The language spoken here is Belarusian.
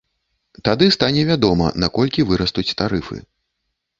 Тады стане вядома, на колькі вырастуць тарыфы.